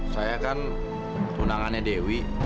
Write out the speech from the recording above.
saya kan tunangannya dewi